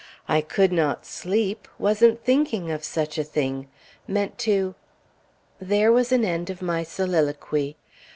I could not sleep, wasn't thinking of such a thing; meant to there was an end of my soliloquy!